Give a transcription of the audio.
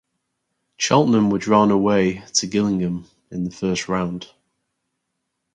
Cheltenham were drawn away to Gillingham in the first round.